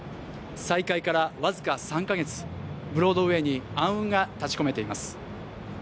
再開から僅か３カ月ブロードウェイに暗雲が立ちこめています。